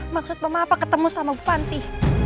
maksud mama apa ketemu sama bu panti